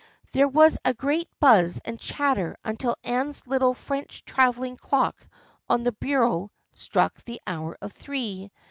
There was a great buzz and chatter until Anne's little French traveling clock on the bureau struck the hour of three.